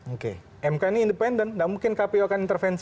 mk ini independen gak mungkin kpu akan intervensi